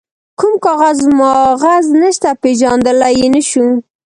کوم کاغذ ماغذ نشته، پيژندلای يې نه شو.